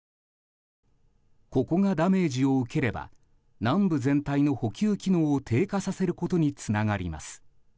ここがダメージを受ければ南部全体の補給機能を低下させることにつながります。